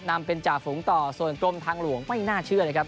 นำเป็นจ่าฝูงต่อส่วนกรมทางหลวงไม่น่าเชื่อนะครับ